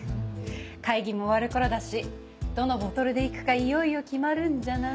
会議も終わる頃だしどのボトルでいくかいよいよ決まるんじゃない？